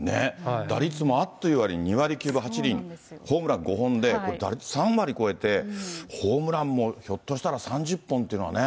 打率もあっという間に２割９分８厘、ホームラン５本で、打率３割超えて、ホームランもひょっとしたら３０本っていうのはね。